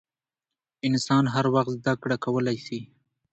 انسان هر وخت زدکړه کولای سي .